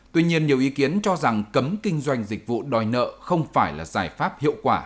tuy nhiên nhiều ý kiến cho rằng cấm kinh doanh dịch vụ đòi nợ không phải là giải pháp hiệu quả